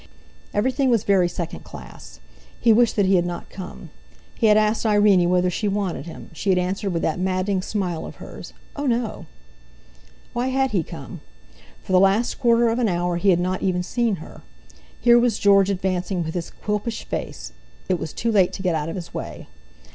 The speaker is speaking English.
Everything was very second class! He wished that he had not come! He had asked Irene whether she wanted him; she had answered with that maddening smile of hers "Oh, no!" Why had he come? For the last quarter of an hour he had not even seen her. Here was George advancing with his Quilpish face; it was too late to get out of his way.